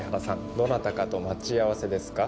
どなたかと待ち合わせですか？